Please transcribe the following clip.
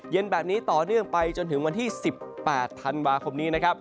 เย็นแบบนี้ต่อเนื่องไปจนถึงวันที่๑๘ธันวาคมนี้นะครับ